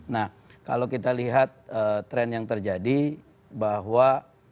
nah kalau kita lihat tren yang terjadi bahwa